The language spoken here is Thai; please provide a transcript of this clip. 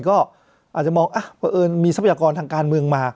ก็อาจจะมองเพราะเอิญมีทรัพยากรทางการเมืองมา